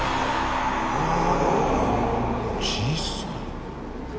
小さい。